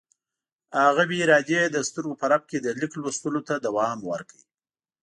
هغه بې ارادې د سترګو په رپ کې د لیک لوستلو ته دوام ورکړ.